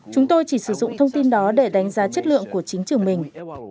chúng tôi chỉ sử dụng thông tin đó để đánh giá chất lượng của chính trường mình